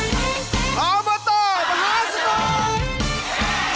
อบตมหาสนุก